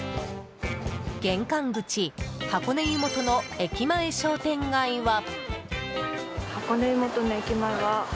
玄関口、箱根湯本の駅前商店街は。